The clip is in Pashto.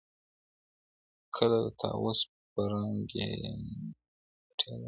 کله د طاووس په رنګینیو پټېدلای سې-